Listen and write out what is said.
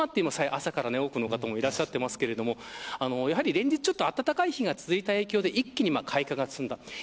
朝から多くの方もいらっしゃってますけど連日、暖かい日が続いた影響で一気に開花が進んだ。